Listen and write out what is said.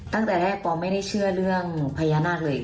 ตั้งแต่แรกปอไม่ได้เชื่อเรื่องพญานาคเลย